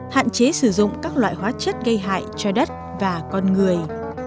hạn chế sử dụng các loại hóa chất gây hại cho đất và con người